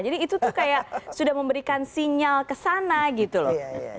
jadi itu tuh kayak sudah memberikan sinyal ke sana gitu loh